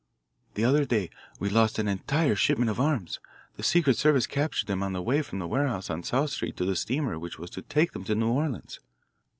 "The other day we lost an entire shipment of arms the Secret Service captured them on the way from the warehouse on South Street to the steamer which was to take them to New Orleans.